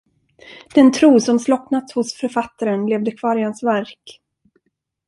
Den tro som slocknat hos författaren levde kvar i hans verk.